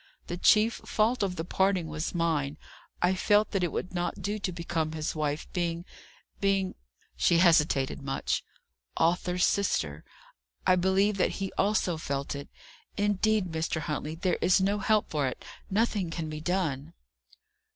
"The chief fault of the parting was mine. I felt that it would not do to become his wife, being being " she hesitated much "Arthur's sister. I believe that he also felt it. Indeed, Mr. Huntley, there is no help for it; nothing can be done."